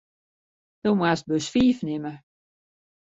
Do moatst bus fiif nimme.